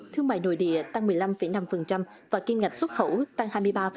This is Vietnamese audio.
thương mại nội địa tăng một mươi năm năm và kiên ngạch xuất khẩu tăng hai mươi ba ba